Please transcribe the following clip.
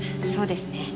そうですね。